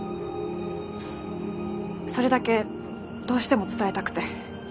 それだけどうしても伝えたくて。